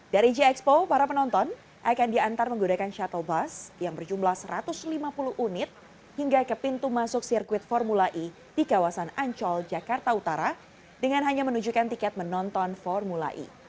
dari g expo para penonton akan diantar menggunakan shuttle bus yang berjumlah satu ratus lima puluh unit hingga ke pintu masuk sirkuit formula e di kawasan ancol jakarta utara dengan hanya menunjukkan tiket menonton formula e